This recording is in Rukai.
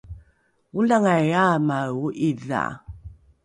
olangai aamae o ’idha